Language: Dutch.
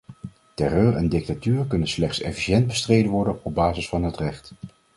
Terreur en dictatuur kunnen slechts efficiënt bestreden worden op basis van het recht.